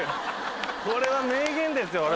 これは名言ですよ